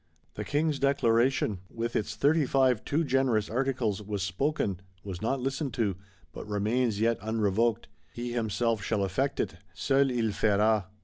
The King's Declaration, with its Thirty five too generous Articles, was spoken, was not listened to; but remains yet unrevoked: he himself shall effect it, _seul il fera!